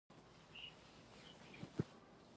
هلته شريف هم موټر شاته راوست.